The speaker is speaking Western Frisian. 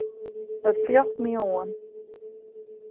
It fljocht my oan.